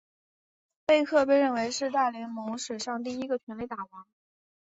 贝克被认为是大联盟史上第一位全垒打王。